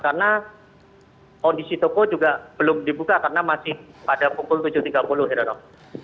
karena kondisi toko juga belum dibuka karena masih pada pukul tujuh tiga puluh erhanov